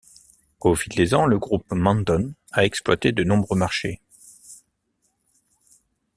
Au fil des ans, le Groupe Mandon a exploité de nombreux marchés.